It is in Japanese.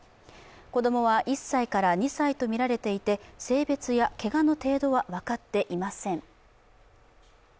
子供は１歳から２歳とみられていて性別やけがの程度は分かっていません。